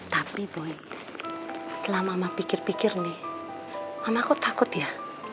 tapi boy selama mama pikir pikir nih mama aku takut ya